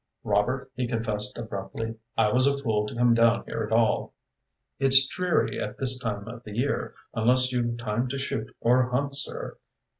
"Robert," he confessed abruptly, "I was a fool to come down here at all." "It's dreary at this time of the year unless you've time to shoot or hunt, sir.